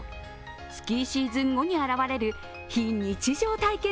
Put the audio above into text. スキーシーズン後に現れる非日常体験